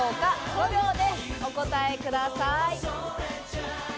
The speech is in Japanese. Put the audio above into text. ５秒でお答えください。